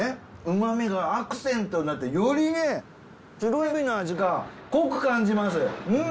旨みがアクセントになってよりねシロエビの味が濃く感じますうん！